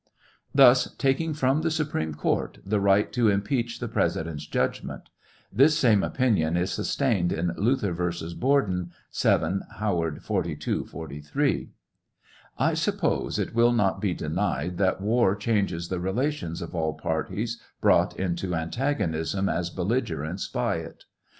Thus taking from the Supreme Court the right to impeach the President's judg ment. This same opinion is sustained in Luther vg. Borden, 7 Howard, 42 43. I suppose it will not be denied that war changes the relations of all parties brought into antagonism as belligerents by it.